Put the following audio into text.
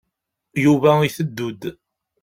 Yuba iteddu-d.